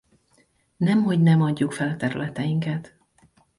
Nemhogy nem adjuk fel a területeinket.